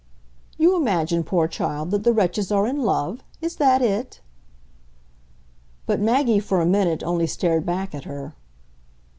"You imagine, poor child, that the wretches are in love? Is that it?" But Maggie for a minute only stared back at her.